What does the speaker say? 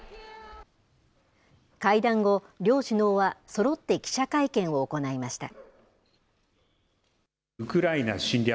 会談後、両首脳はそろって記者会見を行いました。